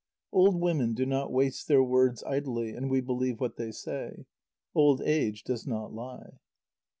Old women do not waste their words idly, and we believe what they say. Old age does not lie.